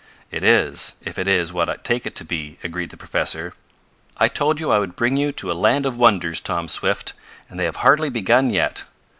"It is, if it is what I take it to be," agreed the professor. "I told you I would bring you to a land of wonders, Tom Swift, and they have hardly begun yet.